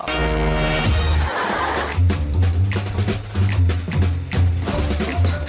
ไม่บอก